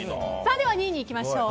２位にいきましょう。